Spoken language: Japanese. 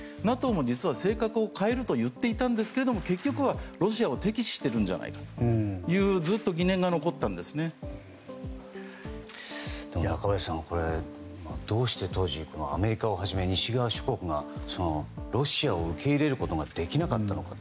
ＮＡＴＯも性格を変えるといっていたんですが結局はロシアを敵視しているんじゃないかという中林さん、どうして当時アメリカをはじめ西側諸国がロシアを受け入れることができなかったのか。